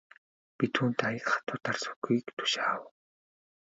Би түүнд аяга хатуу дарс өгөхийг тушаав.